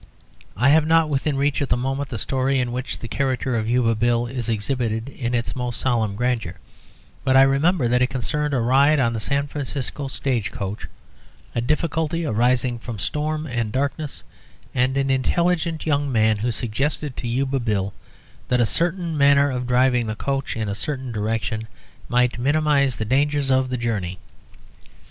I have not within reach at the moment the story in which the character of Yuba Bill is exhibited in its most solemn grandeur, but I remember that it concerned a ride on the San Francisco stage coach, a difficulty arising from storm and darkness, and an intelligent young man who suggested to Yuba Bill that a certain manner of driving the coach in a certain direction might minimise the dangers of the journey.